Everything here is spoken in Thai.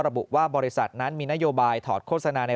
ระบุว่าบริษัทนั้นมีนโยบายถอดโฆษณาใน